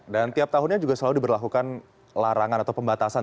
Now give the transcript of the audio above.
dan tiap tahunnya juga selalu diberlakukan larangan atau pembatasan